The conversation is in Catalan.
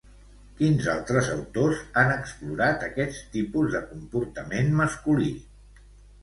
Quins altres autors han explorat aquest tipus de comportament masculí?